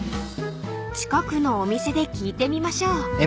［近くのお店で聞いてみましょう］